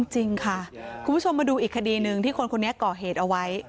จริงค่ะคุณผู้ชมมาดูอีกคดีหนึ่งที่คนคนนี้ก่อเหตุเอาไว้